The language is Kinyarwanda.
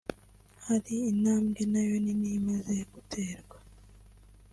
hari intambwe nayo nini imaze guterwa